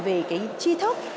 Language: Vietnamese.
về cái tri thức